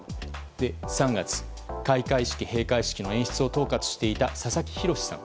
３月、開会式・閉会式の演出を統括していた佐々木宏さん。